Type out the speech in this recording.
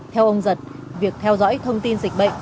theo ông giật việc theo dõi thông tin dịch bệnh